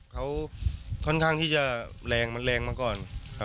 ท่านค่อนข้างที่ก็แรงมาก่อน